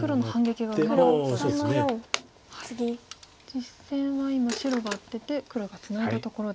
実戦は今白がアテて黒がツナいだところです。